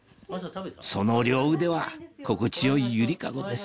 その両腕は心地よい揺り籠です